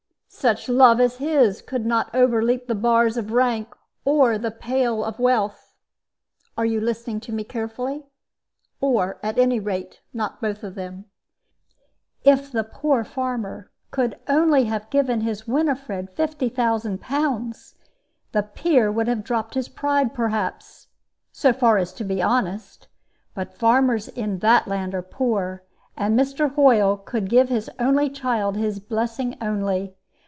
"Such love as his could not overleap the bars of rank or the pale of wealth are you listening to me carefully? or, at any rate, not both of them. If the poor farmer could only have given his Winifred 50,000 pounds, the peer would have dropped his pride, perhaps, so far as to be honest. But farmers in that land are poor, and Mr. Hoyle could give his only child his blessing only.